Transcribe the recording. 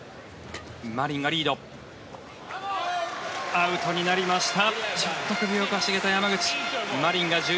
アウトになりました。